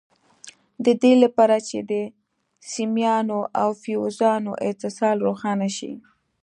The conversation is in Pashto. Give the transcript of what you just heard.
د دې لپاره چې د سیمانو او فیوزونو اتصال روښانه شي.